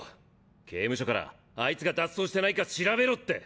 刑務所からあいつが脱走してないか調べろって！